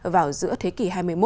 vào giữa thế kỷ hai mươi một